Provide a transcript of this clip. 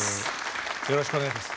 よろしくお願いします。